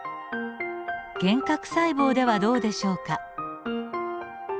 原核細胞ではどうでしょうか。